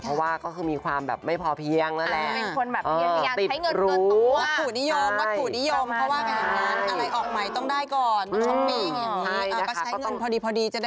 เพราะว่าก็คือมีความแบบไม่พอเพียงนั่นแหละ